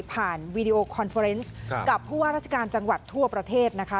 วีดีโอคอนเฟอร์เนสกับผู้ว่าราชการจังหวัดทั่วประเทศนะคะ